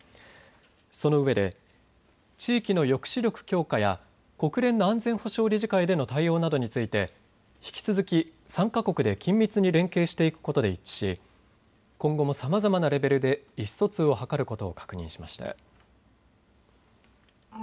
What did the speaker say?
そのうえで地域の抑止力強化や国連の安全保障理事会での対応などについて引き続き３か国で緊密に連携していくことで一致し今後もさまざまなレベルで意思疎通を図ることを確認しました。